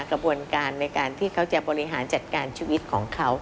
กระบวนการในการที่เขาจะบริหารจัดการชีวิตของเขา